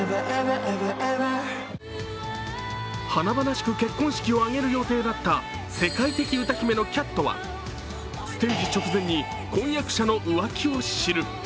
華々しく結婚式を挙げる予定だった世界的歌姫のキャットはステージ直前に婚約者の浮気を知る。